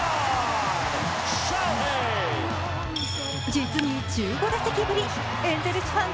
実に１５打席ぶりエンゼルスファン